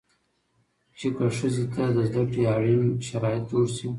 چې که ښځې ته د زده کړې اړين شرايط جوړ شي